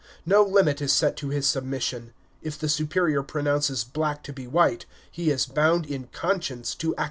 No limit is set to his submission: if the Superior pronounces black to be white, he is bound in conscience to acquiesce.